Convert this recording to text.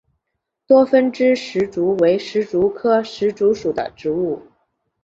多分枝石竹为石竹科石竹属的植物。